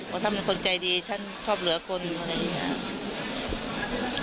ว่าท่านเป็นคนใจดีท่านชอบเหลือคนอะไรอย่างนี้